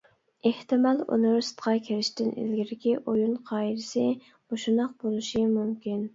ئېھتىمال، ئۇنىۋېرسىتېتقا كىرىشتىن ئىلگىرىكى ئويۇن قائىدىسى مۇشۇنداق بولۇشى مۇمكىن.